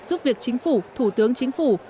giúp việc chính phủ thủ tướng chính phủ